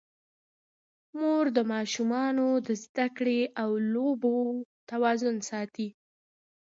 مور د ماشومانو د زده کړې او لوبو توازن ساتي.